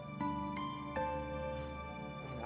tanya dulu ah